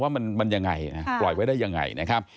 ว่ามันยังไงปล่อยไว้ได้ยังไง